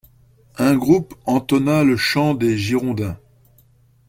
Un groupe entonna le chant des Girondins.